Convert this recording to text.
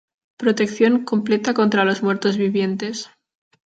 Protección completa contra los muertos vivientes.